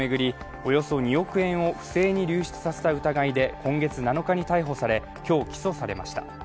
およそ２億円を不正に流出させた疑いで今月７日に逮捕され、今日、起訴されました。